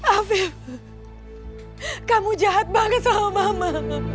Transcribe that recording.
afif kamu jahat banget sama mama